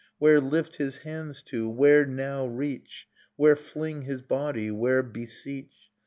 Where lift his hands to, where now reach, Where fling his body, where beseech?